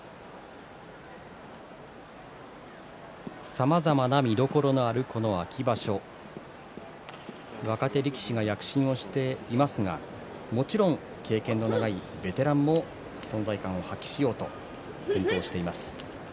さまざまな見どころのあるこの秋場所若手力士が躍進していますがもちろん経験の長いベテランも存在感を発揮しようと健闘しています。